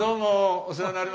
お世話になります。